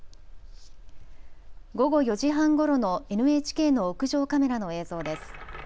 午後４時半ごろのＮＨＫの屋上カメラの映像です。